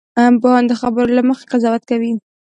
پوهان د خبرو له مخې قضاوت کوي